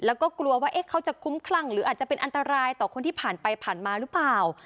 แล้วก็กลัวว่าเขาจะคุ้มคลั่งหรืออาจจะเป็นอันตรายต่อคนที่ผ่านไปผ่านมาหรือเปล่า